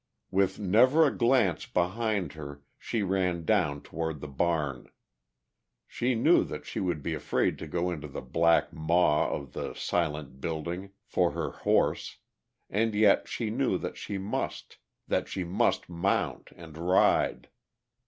With never a glance behind her she ran down toward the barn. She knew that she would be afraid to go into the black maw of the silent building for her horse and yet she knew that she must, that she must mount and ride....